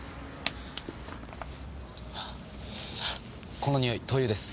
このにおい灯油です。